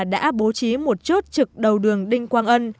đã bố trí một chốt trực đầu đường đinh quang ân